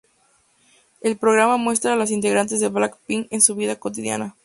El programa muestra a las integrantes de Black Pink en su vida cotidiana.